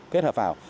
kết hợp vào